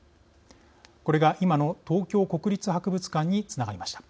これが、今の東京国立博物館につながりました。